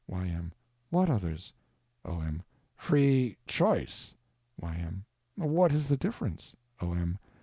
Y.M. What others? O.M. Free Choice. Y.M. What is the difference? O.M.